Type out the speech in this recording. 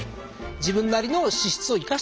自分なりの資質を生かしていこうと。